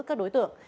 các đối tượng